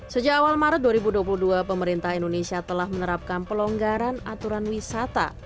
sejak awal maret dua ribu dua puluh dua pemerintah indonesia telah menerapkan pelonggaran aturan wisata